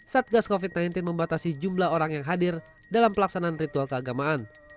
satgas covid sembilan belas membatasi jumlah orang yang hadir dalam pelaksanaan ritual keagamaan